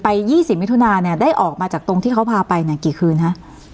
๒๐มิถุนาเนี่ยได้ออกมาจากตรงที่เขาพาไปเนี่ยกี่คืนฮะ